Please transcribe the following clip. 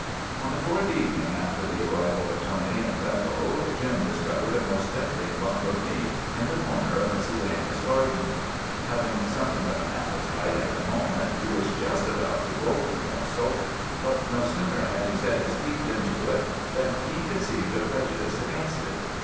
On the fourth evening after the arrival of Tony and Beppo, Jim discovered a most tempting lump of meat in the corner of Mrs. Amos' garden. Having something of an appetite at the moment, he was just about to bolt the morsel. But no sooner had he set his teeth into it than he conceived a prejudice against it.